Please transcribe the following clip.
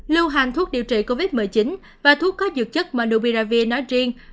lưu hành thuốc điều trị covid một mươi chín và thuốc có dược chất marbiravi nói riêng